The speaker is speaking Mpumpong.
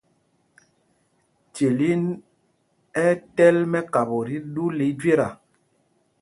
Celin ɛ́ ɛ́ tɛ́l mɛ́kapo tí ɗū lɛ íjüeta.